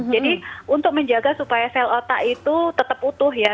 untuk menjaga supaya sel otak itu tetap utuh ya